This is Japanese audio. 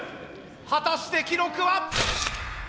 果たして記録は？